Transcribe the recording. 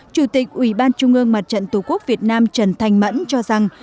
chủ tịch ủy ban trung ương mặt trận tổ quốc việt nam trần thanh mẫn cho rằng